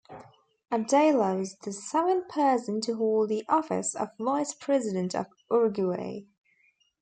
Abdala was the seventh person to hold the office of Vice President of Uruguay.